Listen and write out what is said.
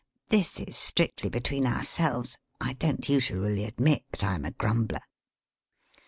This is strictly between ourselves. I don't usually admit that I'm a grumbler.'